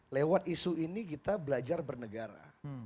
lewat isu ini kita belajar bernegara